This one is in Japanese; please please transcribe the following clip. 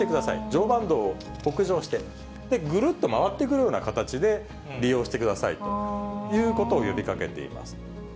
常磐道を北上して、ぐるっと回ってくるような形で、利用してくださいということを呼びかけています。